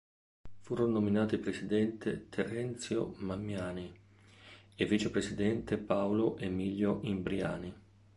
Furono nominati presidente Terenzio Mamiani e vicepresidente Paolo Emilio Imbriani.